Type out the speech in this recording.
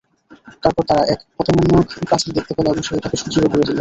তারপর তারা এক পতনোন্মুখ প্রাচীর দেখতে পেল এবং সে এটাকে সুদৃঢ় করে দিল।